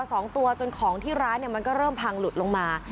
สองตัวจนของที่ร้านเนี่ยมันก็เริ่มพังหลุดลงมา